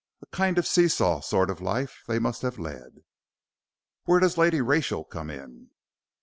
A kind of see saw sort of life they must have led." "Where does Lady Rachel come in?"